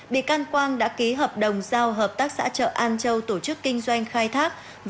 bị can quang đã ký hợp đồng giao hợp tác xã chợ an châu tổ chức kinh doanh khai thác